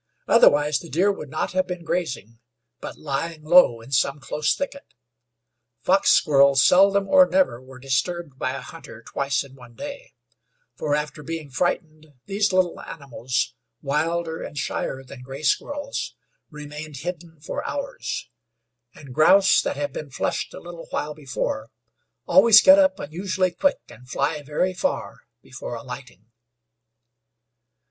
Otherwise the deer would not have been grazing, but lying low in some close thicket; fox squirrels seldom or never were disturbed by a hunter twice in one day, for after being frightened these little animals, wilder and shyer than gray squirrels, remained hidden for hours, and grouse that have been flushed a little while before, always get up unusually quick, and fly very far before alighting.